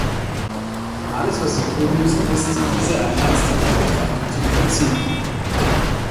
Alles, was Sie tun müssen, ist, diese einer ernsthaften Betrachtung zu unterziehen.